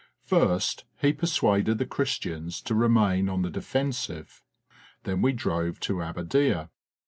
First he persuaded the Christians to remain on the defensive. Then we drove to Abadieh.